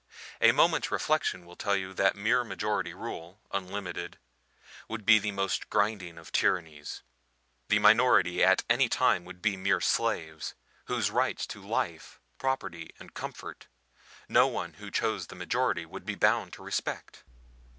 A moment's reflection will tell you that mere majority rule, unlimited, would be the most grinding of tyrannies; the minority at any time would be mere slaves, whose rights to life, property and comfort no one who chose to join the majority would be bound to respect.